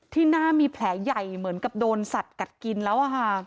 หน้ามีแผลใหญ่เหมือนกับโดนสัตว์กัดกินแล้ว